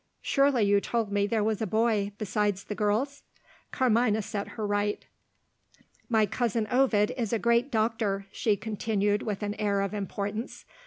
"Surely you told me there was a boy, besides the girls?" Carmina set her right. "My cousin Ovid is a great doctor," she continued with an air of importance.